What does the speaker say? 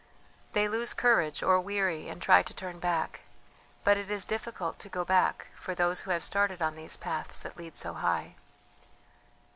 They lose courage or weary and try to turn back; but it is difficult to go back for those who have started on these paths that lead so high."